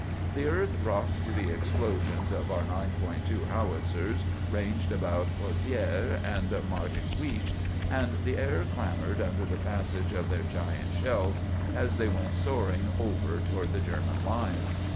The earth rocked to the explosions of our 9.2 howitzers ranged about Pozières and Martinpuich, and the air clamoured under the passage of their giant shells as they went roaring over toward the German lines.